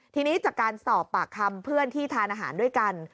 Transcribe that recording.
ทีนี้จากการสอบปากคำเพื่อนที่ทานอาหารด้วยกัน